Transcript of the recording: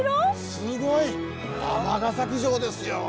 すごい。尼崎城ですよ。